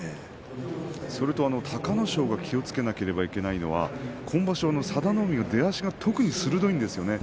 それと隆の勝が気をつけなければいけないのは今場所は佐田の海が出足が特に鋭いですよね。